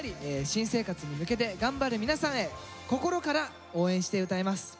新生活に向けて頑張る皆さんへ心から応援して歌います。